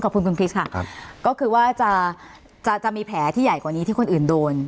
ขอบคุณคุณคริสค่ะครับก็คือว่าจะจะมีแผลที่ใหญ่กว่านี้ที่คนอื่นโดน